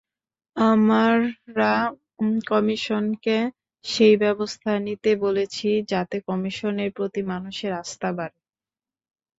আমরা কমিশনকে সেই ব্যবস্থা নিতে বলেছি, যাতে কমিশনের প্রতি মানুষের আস্থা বাড়ে।